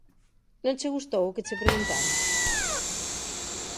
Non che gustou o que che preguntaron?